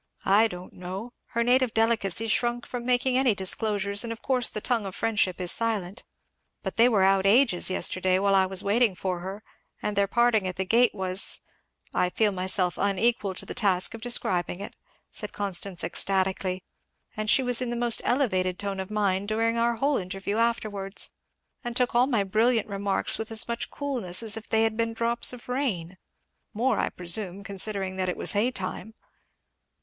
I don't know! her native delicacy shrunk from making any disclosures, and of course the tongue of friendship is silent, but they were out ages yesterday while I was waiting for her, and their parting at the gate was I feel myself unequal to the task of describing it!" said Constance ecstatically; "and she was in the most elevated tone of mind during our whole interview afterwards, and took all my brilliant remarks with as much coolness as if they had been drops of rain more, I presume, considering that it was hay time."